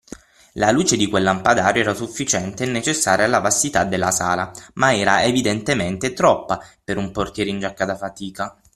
La luce di quel lampadario era sufficiente e necessaria alla vastità della sala, ma era evidentemente troppa per un portiere in giacca da fatica.